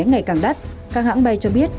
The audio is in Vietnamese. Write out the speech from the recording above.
ngày càng đắt các hãng bay cho biết